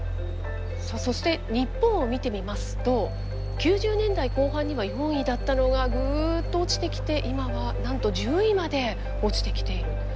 そして日本を見てみますと９０年代後半には４位だったのがグッと落ちてきて今はなんと１０位まで落ちてきている。